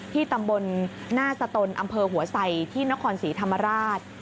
ที่ตำบลหน้าสตนอำเภอหัวไสที่นครศรีธรรมราช